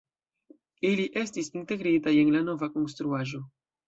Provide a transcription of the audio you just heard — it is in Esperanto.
Ili estis integritaj en la nova konstruaĵo.